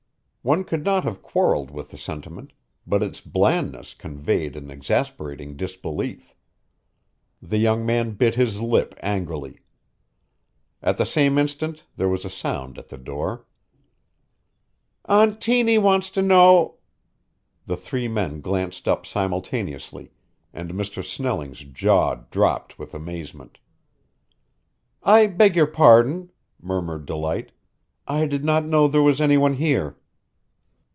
One could not have quarreled with the sentiment, but its blandness conveyed an exasperating disbelief. The young man bit his lip angrily. At the same instant there was a sound at the door. "Aunt Tiny wants to know " The three men glanced up simultaneously, and Mr. Snelling's jaw dropped with amazement. "I beg your pardon," murmured Delight. "I did not know there was any one here."